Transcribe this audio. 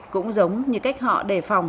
cũng giống như cách họ đề phòng